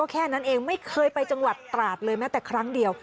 แค่นั้นเองไม่เคยไปจังหวัดตราดเลยแม้แต่ครั้งเดียว